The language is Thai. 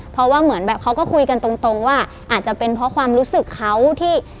เพราะว่าเหมือนแบบเขาก็คุยกันตรงว่าอาจจะเป็นเพราะความรู้สึกเขาที่